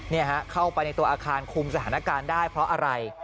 เข้าไปในตัวอาคารคุมสถานการณ์ได้เพราะอะไร